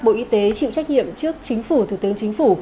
bộ y tế chịu trách nhiệm trước chính phủ thủ tướng chính phủ